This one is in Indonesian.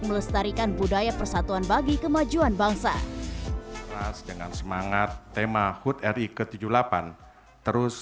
melestarikan budaya persatuan bagi kemajuan bangsa dengan semangat tema hud ri ke tujuh puluh delapan terus